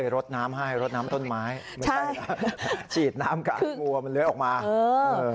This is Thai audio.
รสน้ำต้นไม้ใช่ชีดน้ำกากงูอ่ะมันเหลือออกมาเออ